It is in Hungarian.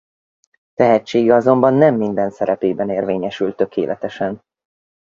Tehetsége azonban nem minden szerepében érvényesült tökéletesen.